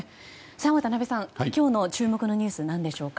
渡辺さん、今日の注目のニュース何でしょうか？